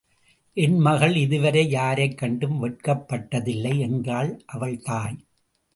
என் மகள் இதுவரை யாரைக் கண்டும் வெட்கப்பட்டதில்லை என்றாள் அவள்தாய்.